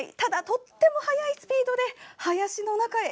とっても速いスピードで林の中へ。